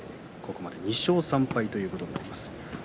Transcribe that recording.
ここまで２勝３敗ということになります。